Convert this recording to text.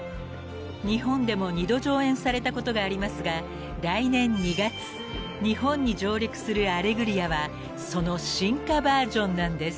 ［日本でも二度上演されたことがありますが来年２月日本に上陸する『アレグリア』はその進化バージョンなんです］